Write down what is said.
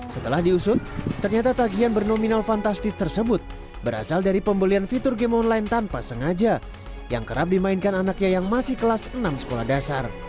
setelah diusut ternyata tagihan bernominal fantastis tersebut berasal dari pembelian fitur game online tanpa sengaja yang kerap dimainkan anaknya yang masih kelas enam sekolah dasar